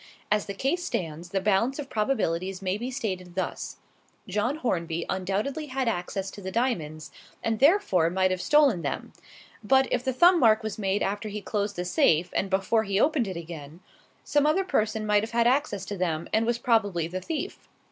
As the case stands, the balance of probabilities may be stated thus: John Hornby undoubtedly had access to the diamonds, and therefore might have stolen them. But if the thumb mark was made after he closed the safe and before he opened it again, some other person must have had access to them, and was probably the thief.